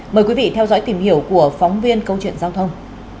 mời quý vị theo dõi tìm hiểu của phóng viên câu chuyện giao thông